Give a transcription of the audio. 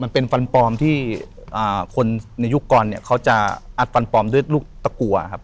มันเป็นฟันปลอมที่คนในยุคก่อนเนี่ยเขาจะอัดฟันปลอมด้วยลูกตะกัวครับ